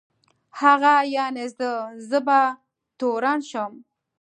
هغه یعني زه، زه به تورن شم.